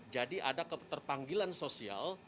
jadi ada keterpanggilan sosial